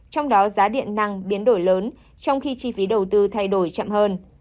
trong đó giá điện năng biến đổi lớn trong khi chi phí đầu tư thay đổi chậm hơn